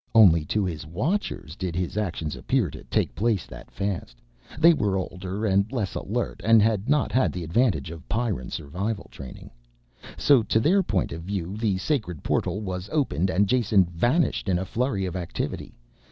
Only to his watchers did his actions appear to take place that fast; they were older, and less alert, and had not had the advantage of Pyrran survival training. So to their point of view the sacred portal was opened and Jason vanished in a flurry of activity.